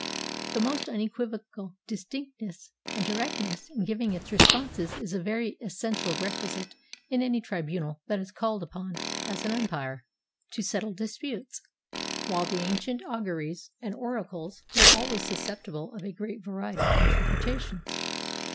The most unequivocal distinct ness and directness in giving its responses is a very essential requisite in any tribunal that is called upon as an umpire, to settle disputes ; while the ancient au guries and oracles were always susceptible of a great variety of interpretations.